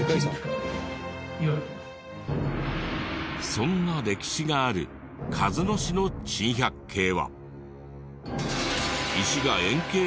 そんな歴史がある鹿角市の珍百景は。